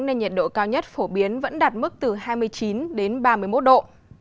nên nhiệt độ cao nhất phổ biến vẫn đạt mức từ hai mươi chín đến ba mươi một độ